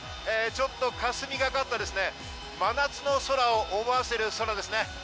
ちょっとかすみがかった真夏の空を思わせる空ですね。